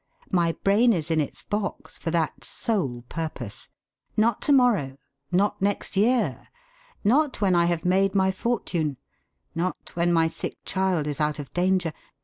My brain is in its box for that sole purpose. Not to morrow! Not next year! Not when I have made my fortune! Not when my sick child is out of danger!